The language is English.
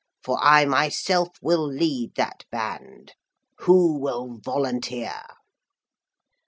For I myself will lead that band. Who will volunteer?'